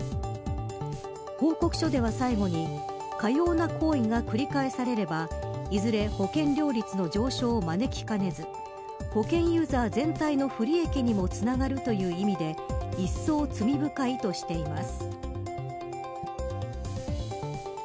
報告書では、最後にかような行為が繰り返されればいずれ保険料率の上昇を招きかねず保険ユーザー全体の不利益にもつながるという意味でいっそう罪深いとしています。